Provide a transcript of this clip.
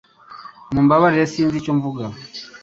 Mumbabarire sinzi icyo mvuga